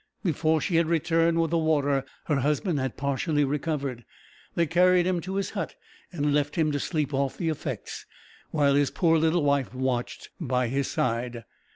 Before she had returned with the water her husband had partially recovered. They carried him to his hut, and left him to sleep off the effects, while his poor little wife watched by his side.